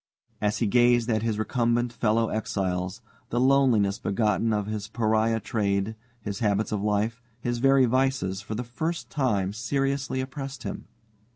As he gazed at his recumbent fellow exiles, the loneliness begotten of his pariah trade, his habits of life, his very vices, for the first time seriously oppressed him.